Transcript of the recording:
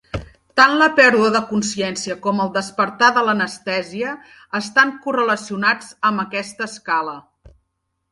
Tant la pèrdua de consciència com el despertar de l'anestèsia estan correlacionats amb aquesta escala.